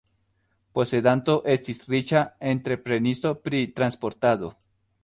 Posedanto estis riĉa entreprenisto pri transportado.